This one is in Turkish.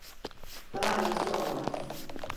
Daha iyisi olamaz.